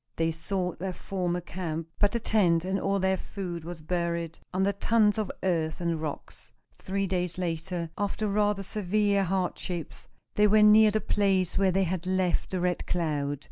They sought their former camp, but the tent and all their food was buried under tons of earth and rocks. Three days later, after rather severe hardships, they were near the place where they had left the Red Cloud.